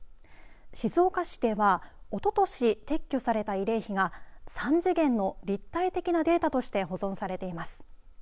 静岡市ではおととし撤去された慰霊碑が３次元の立体的なデータとして保存されています。